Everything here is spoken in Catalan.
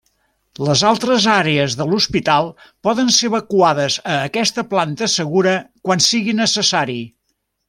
Les altres àrees de l'hospital poden ser evacuades a aquesta planta segura quan sigui necessari.